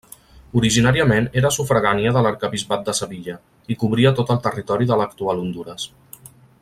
Originàriament era sufragània de l'arquebisbat de Sevilla, i cobria tot el territori de l'actual Hondures.